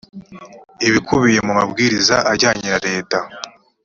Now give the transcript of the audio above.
ibikubiye mu mabwiriza ajyanye na leta